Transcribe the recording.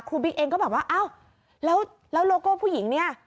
ครูบิ๊กก็บอกว่าอ้าวแล้วโลโก้ผู้หญิงเนี่ย